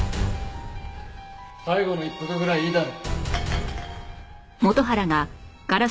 最後の一服ぐらいいいだろ。